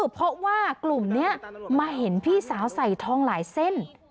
เพราะว่ากลุ่มนี้มาเห็นพี่สาวใส่ทองหลายเส้น